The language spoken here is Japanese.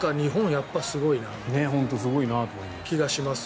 やっぱりすごいなという気がします。